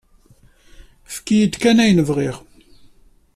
Efk-iyi-d kan ayen bɣiɣ.